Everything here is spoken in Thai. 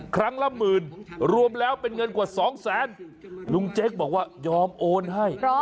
ครั้งละหมื่นรวมแล้วเป็นเงินกว่าสองแสนลุงเจ๊กบอกว่ายอมโอนให้